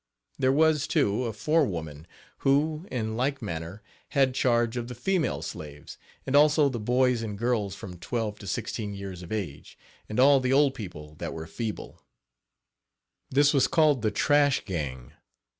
There was, too, a forewoman, who, in like manner, had charge of the female slaves, and also the boys and girls from twelve to sixteen years of age, and all the old people that were feeble. Page 23 This was called the trash gang.